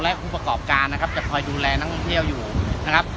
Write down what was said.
และผู้ประกอบการนะครับจะคอยดูแลนักท่องเที่ยวอยู่นะครับ